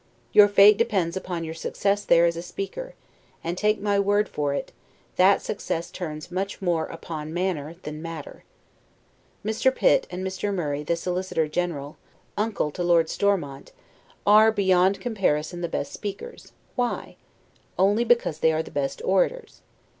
Your fate depends upon your success there as a speaker; and, take my word for it, that success turns much more upon manner than matter. Mr. Pitt and Mr. Murray the solicitor general, uncle to Lord Stormount, are, beyond comparison, the best speakers; why? only because they are the best orators.